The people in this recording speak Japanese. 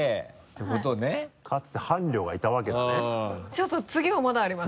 ちょっと次もまだあります。